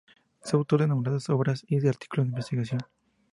Es autor de numerosas obras y artículos de investigación.